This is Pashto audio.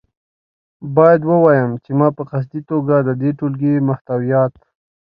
باید ووایم چې ما په قصدي توګه د دې ټولګې محتویات.